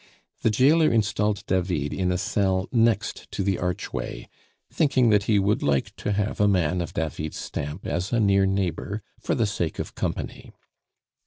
The jailer installed David in a cell next to the archway, thinking that he would like to have a man of David's stamp as a near neighbor for the sake of company.